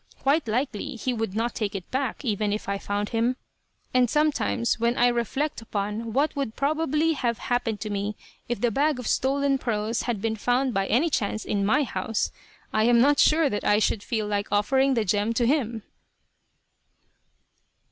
Quite likely he would not take it back, even if I found him; and sometimes, when I reflect upon what would probably have happened to me if the bag of stolen pearls had been found by any chance in my house, I am not sure that I should feel like offering the gem to him.